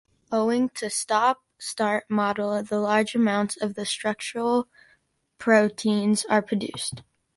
Owing to stop-start model, the large amounts of the structural proteins are produced.